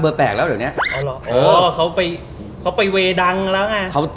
อ๋อเขาไปเว๋ดังแล้วไง